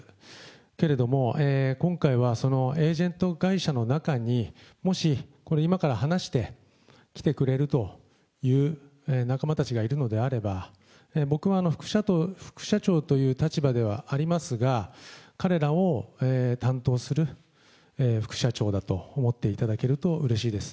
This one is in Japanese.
けれども、今回はエージェント会社の中に、もし、今から話して来てくれるという仲間たちがいるのであれば、僕は副社長という立場ではありますが、彼らを担当する副社長だと思っていただけるとうれしいです。